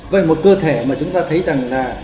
vậy một cơ thể mà chúng ta thấy rằng là